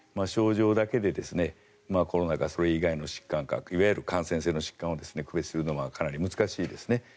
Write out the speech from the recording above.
症状だけでコロナか、それ以外の疾患かいわゆる感染性の疾患を区別するのはかなり難しいですね。